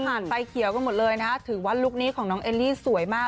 ไฟเขียวกันหมดเลยนะถือว่าลุคนี้ของน้องเอลลี่สวยมาก